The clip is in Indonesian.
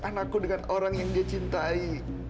anakku dengan orang yang dia cintai